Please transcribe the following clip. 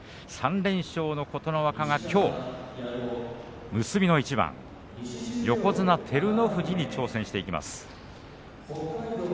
３連勝の琴ノ若がきょう結びの一番横綱照ノ富士に挑戦していきます。